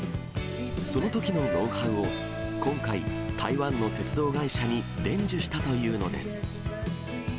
そのときのノウハウを、今回、台湾の鉄道会社に伝授したというのです。